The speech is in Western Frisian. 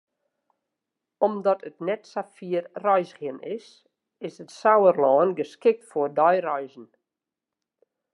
Omdat it net sa fier reizgjen is, is it Sauerlân geskikt foar deireizen.